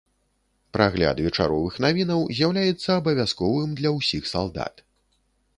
Прагляд вечаровых навінаў з'яўляецца абавязковым для ўсіх салдат.